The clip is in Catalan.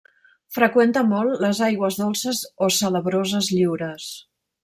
Freqüenta molt les aigües dolces o salabroses lliures.